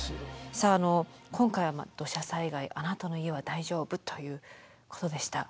今回は「土砂災害あなたの家は大丈夫？」ということでした。